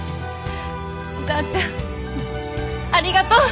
お母ちゃんありがとう！